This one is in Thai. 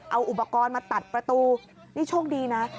เอาอุปกรณ์มาตัดประตูนี่โชคดีนะ